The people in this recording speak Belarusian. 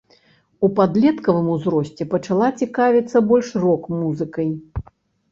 У падлеткавым узросце, пачала цікавіцца больш рок-музыкай.